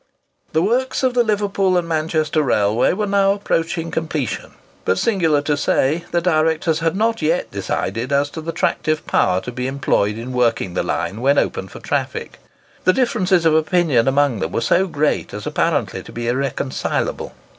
The works of the Liverpool and Manchester Railway were now approaching completion. But, singular to say, the directors had not yet decided as to the tractive power to be employed in working the line when opened for traffic. The differences of opinion among them were so great as apparently to be irreconcilable.